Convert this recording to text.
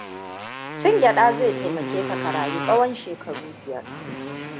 Cin gyaɗa zai taimake ka rayu tsawon shekaru biyar.